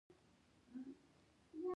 خیرات ورکول انسان د خدای د عذاب څخه ساتي.